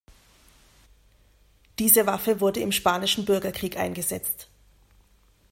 Diese Waffe wurde im spanischen Bürgerkrieg eingesetzt.